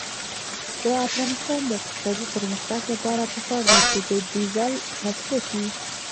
د افغانستان د اقتصادي پرمختګ لپاره پکار ده چې ډیزل تصفیه شي.